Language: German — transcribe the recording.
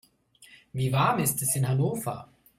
Wie warm ist es in Hannover?